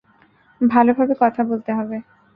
ভালোভাবে কথা বলতে হবে।